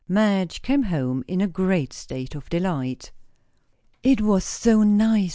Madge came home in a great state of delight. "It was so nice!"